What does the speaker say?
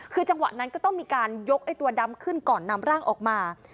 คือจังหวะนั้นก็ต้องมีการยกไอ้ตัวดำขึ้นก่อนนำร่างออกมา